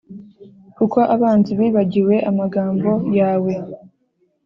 Kuko abanzi bibagiwe amagambo yawe